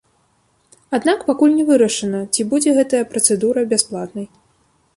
Аднак пакуль не вырашана, ці будзе гэтая працэдура бясплатнай.